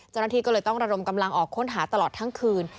เจ้าหน้าที่ก็เลยต้องระดมกำลังออกค้นหาตลอดทั้งคืน